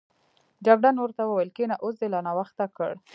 جګړن ورته وویل کېنه، اوس دې لا ناوخته کړ.